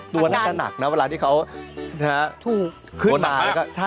ตัวน่าจะหนักนะเวลาที่เขาขึ้นมา